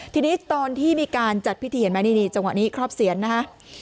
ทีนี้ตอนที่มีการจัดพิธีเห็นไหมนี่จังหวะนี้ครอบเสียนนะฮะ